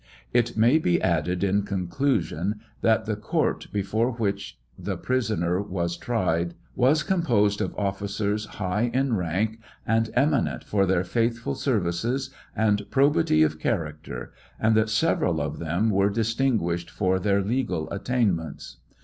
It may be added, in conclusion, that the court before whicht he prisoner was tried was composed of oflScers high in rank, and eminent for their faithful ser vices and probity of character, and that several of them were distinguished for their legal attainments.